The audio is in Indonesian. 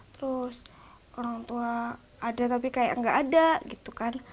terus orang tua ada tapi kayak nggak ada gitu kan